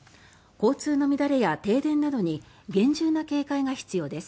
交通の乱れや停電などに厳重な警戒が必要です。